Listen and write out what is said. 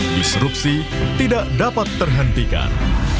disrupsi tidak dapat terhentikan